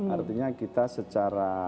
artinya kita secara